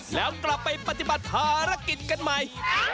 แล้วกลับไปปฏิบัติภารกิจกันใหม่